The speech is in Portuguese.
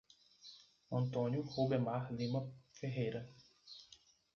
Antônio Rubemar Lima Ferreira